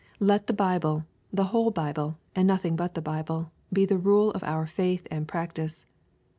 Let the Bible, the whole Bible, and nothing but the Bible, be the rule of our faith and practice.